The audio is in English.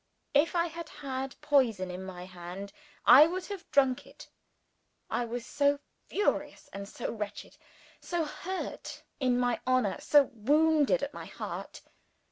If I had had poison in my hand, I would have drunk it I was so furious and so wretched: so hurt in my honor, so wounded at my heart.